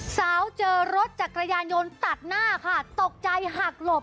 สาวเจอรถจากกระยายยนตัดหน้าถูกตอบ